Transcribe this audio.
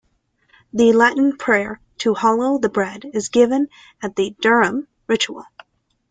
The Latin prayer to hallow the bread is given in the Durham Ritual.